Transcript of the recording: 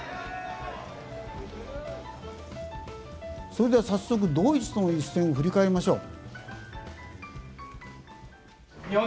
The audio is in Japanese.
それでは早速ドイツとの一戦振り返りましょう。